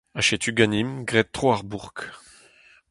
Ha setu ganimp graet tro ar bourk.